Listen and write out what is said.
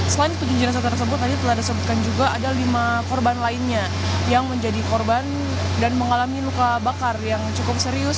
selain tujuh jenazah tersebut tadi telah disebutkan juga ada lima korban lainnya yang menjadi korban dan mengalami luka bakar yang cukup serius